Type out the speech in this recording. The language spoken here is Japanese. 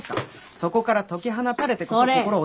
そこから解き放たれてこそ心を。